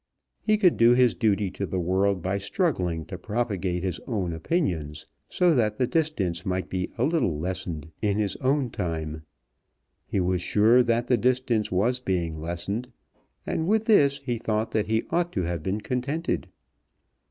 He could do his duty to the world by struggling to propagate his own opinions, so that the distance might be a little lessened in his own time. He was sure that the distance was being lessened, and with this he thought that he ought to have been contented.